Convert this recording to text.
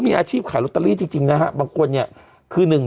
มีอาชีพขายลอตเตอรี่จริงนะฮะบางคนเนี่ยคือหนึ่ง